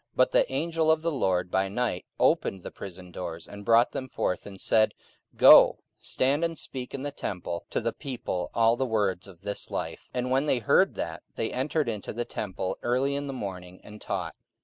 44:005:019 But the angel of the Lord by night opened the prison doors, and brought them forth, and said, 44:005:020 Go, stand and speak in the temple to the people all the words of this life. 44:005:021 And when they heard that, they entered into the temple early in the morning, and taught.